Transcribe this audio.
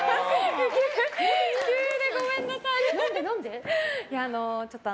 急でごめんなさい。